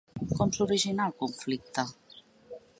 Com s'originà el conflicte?